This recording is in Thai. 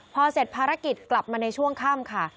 พอเสร็จภารกิจกลับมาในช่วงค่ำค่ะ